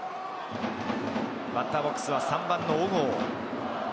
バッターボックスは３番・小郷。